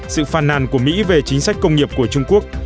sự phàn nàn của mỹ về chính sách công nghiệp của trung quốc